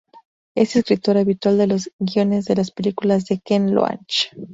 Es escritor habitual de los guiones de las películas de Ken Loach.